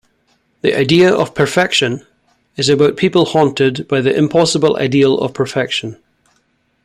"The Idea of Perfection" is about people haunted by the impossible ideal of perfection.